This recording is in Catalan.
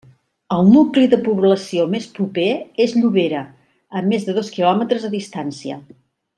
El nucli de població més proper és Llobera, a més de dos quilòmetres de distància.